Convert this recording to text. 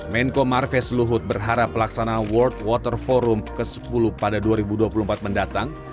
menko marves luhut berharap pelaksanaan world water forum ke sepuluh pada dua ribu dua puluh empat mendatang